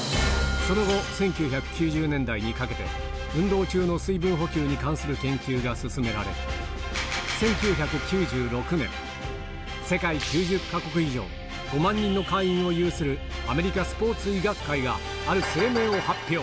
その後、１９９０年代にかけて、運動中の水分補給に関する研究が進められ、１９９６年、世界９０か国以上、５万人の会員を有するアメリカスポーツ医学会がある声明を発表。